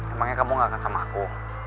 emangnya kamu gak akan sama aku